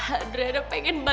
adriana pengen berubah